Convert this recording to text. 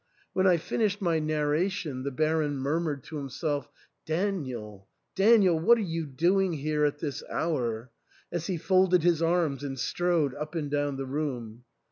When I finished my narration, the Baron murmured to him self, "Daniel, Daniel, what are you doing here at this hour ?" as he folded his arms and strode up and down the room.